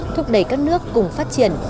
thúc đẩy các nước cùng phát triển